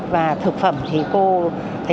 và thực phẩm thì cô thấy